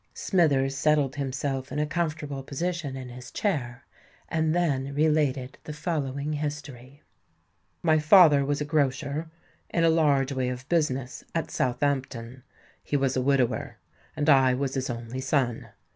Smithers settled himself in a comfortable position in his chair, and then related the following history:— "My father was a grocer, in a large way of business, at Southampton. He was a widower; and I was his only son.